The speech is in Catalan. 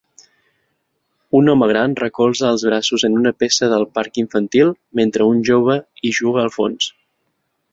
Un home gran recolza els braços en una peça del parc infantil mentre un jove hi juga al fons.